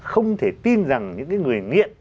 không thể tin rằng những người nghiện